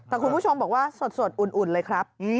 แต่คุณผู้ชมบอกว่าสดอุ่นเลยครับ